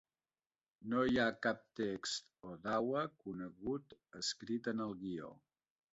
No hi cap text Odawa conegut escrit en el guió.